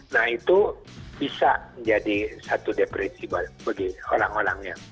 nah itu bisa jadi satu depresi bagi orang orang ya